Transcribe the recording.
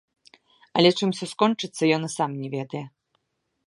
Але чым усё скончыцца, ён і сам не ведае.